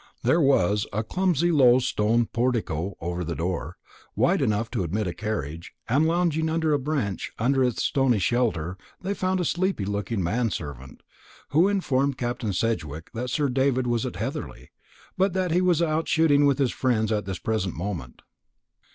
There was a clumsy low stone portico over the door, wide enough to admit a carriage; and lounging upon a bench under this stony shelter they found a sleepy looking man servant, who informed Captain Sedgewick that Sir David was at Heatherly, but that he was out shooting with his friends at this present moment.